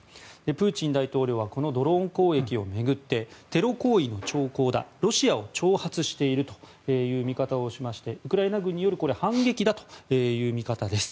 プーチン大統領はこのドローン攻撃を巡ってテロ行為の兆候だロシアを挑発しているという見方をしましてウクライナ軍による反撃だという見方です。